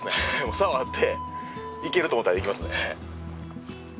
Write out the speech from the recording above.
触っていけると思ったらいきますね。